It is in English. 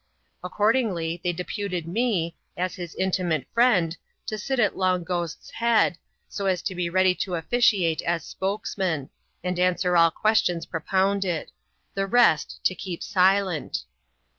Accordingly, they deputed me, as his inti mate friend, to sit at Long Ghost's head, so as to be ready to officiate as *< spokesman ;" and answer all questions propounded ; the rest to keep silent.